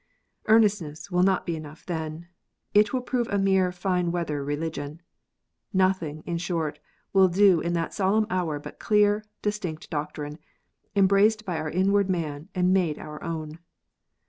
"Earnestness" will not be enough then. It will prove a mere fine weather religion. Nothing, in short, will do in that solemn hour but clear, distinct doctrine, embraced by our inward man, and made our own.